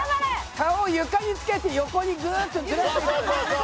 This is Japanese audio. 顔を床につけて横にグーッとずらしていく。